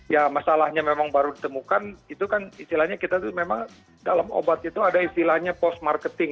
ya masalahnya memang baru ditemukan itu kan istilahnya kita tuh memang dalam obat itu ada istilahnya post marketing